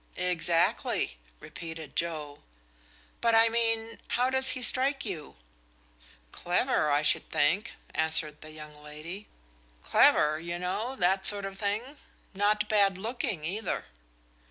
"Exactly," repeated Joe. "But I mean, how does he strike you?" "Clever I should think," answered the young lady. "Clever, you know that sort of thing. Not bad looking, either."